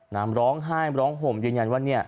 น้ำร้องไห้ร้องห่มยืนยันว่า